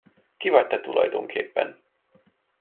Ki vagy te tulajdonképpen?